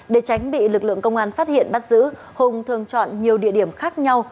để tránh bị lực lượng công an phát hiện bắt giữ hùng thường chọn nhiều địa điểm khác nhau